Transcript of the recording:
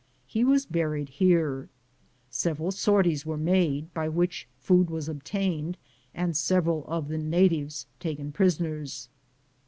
He was buried here. Several sorties were made, by which food was obtained and several of the natives taken prisoners.